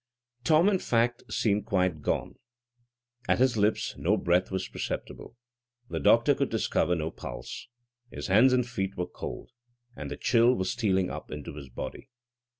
Tom, in fact, seemed quite gone. At his lips no breath was perceptible. The doctor could discover no pulse. His hands and feet were cold, and the chill was stealing up into his body.